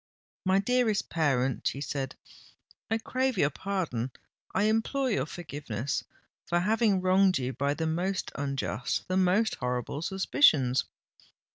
"My dearest parent," she said, "I crave your pardon—I implore your forgiveness, for having wronged you by the most unjust—the most horrible suspicions!